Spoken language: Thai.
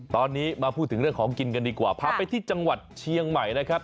ตอนนี้มาพูดถึงเรื่องของกินกันดีกว่าพาไปที่จังหวัดเชียงใหม่นะครับ